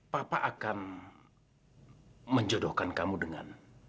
papa akan menjodohkan kamu dengan